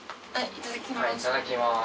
いただきます。